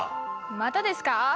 またですか？